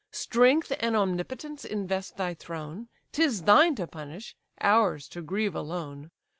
Strength and omnipotence invest thy throne; 'Tis thine to punish; ours to grieve alone.